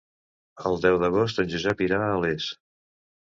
El deu d'agost en Josep irà a Les.